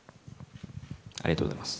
ありがとうございます。